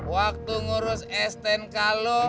waktu ngurus s sepuluh k lo